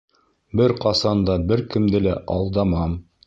Бер ҡасан да, бер кемде лә алдамам...